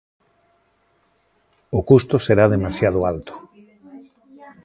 O custo será demasiado alto.